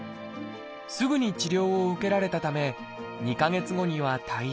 すぐに治療を受けられたため２か月後には退院。